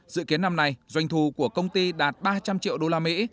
dự kiến năm nay doanh thu của công ty đạt ba trăm linh triệu đô la mỹ